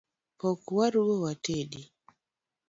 Pok waru go watedi